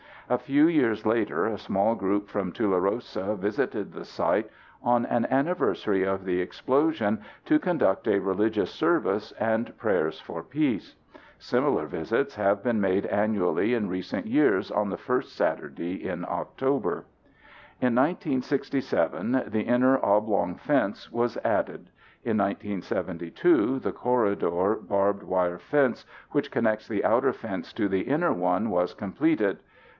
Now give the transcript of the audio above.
A few years later a small group from Tularosa visited the site on an anniversary of the explosion to conduct a religious service and prayers for peace. Similar visits have been made annually in recent years on the first Saturday in October. In 1967 the inner oblong fence was added. In 1972 the corridor barbed wire fence which connects the outer fence to the inner one was completed.